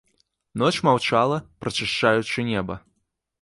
Ноч маўчала, прачышчаючы неба.